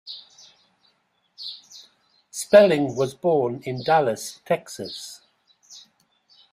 Spelling was born in Dallas, Texas.